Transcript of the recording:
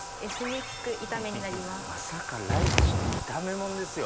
まさかライチの炒めもんですよ。